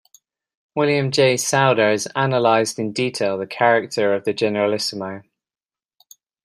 William J Sowder has analysed in detail the character of the Generalissimo.